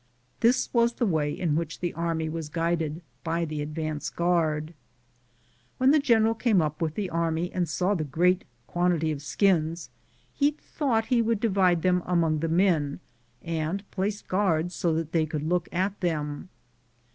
This was the way in which the army was guided by the advance guard. When the general came up with the army and saw the great quantity of skins, he thought he would divide them among the men, and placed guards so that they could look at them.